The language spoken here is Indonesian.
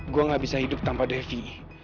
gue gak bisa hidup tanpa devi